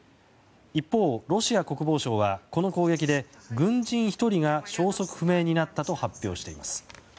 一方、ロシア国防省はこの攻撃で軍人１人が消息不明になったと発表しています。